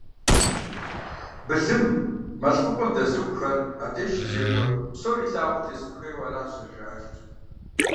Былым, мэл хъупӏэм дэзыхухэр, абдеж щызекӏуэ псори илъагъуу тесыну хуеяуэ аращ зэрыжаӏэжыр.